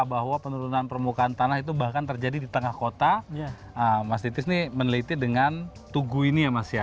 bahwa penurunan permukaan tanah itu bahkan terjadi di tengah kota mas titis ini meneliti dengan tugu ini ya mas ya